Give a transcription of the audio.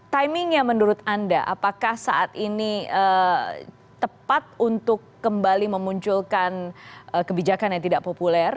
timingnya menurut anda apakah saat ini tepat untuk kembali memunculkan kebijakan yang tidak populer